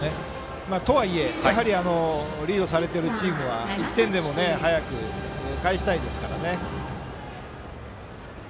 とはいえ、やはりリードされているチームは１点でも早く返したいですから。